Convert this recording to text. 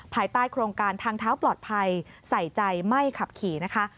ภายใต้โครงการทางเท้าปลอดภัยใส่ใจไม่ขับขี่นะคะ